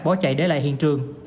bỏ chạy để lại hiện trường